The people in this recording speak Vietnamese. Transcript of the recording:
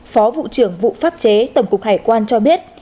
phó vụ trưởng vụ pháp chế tổng cục hải quan cho biết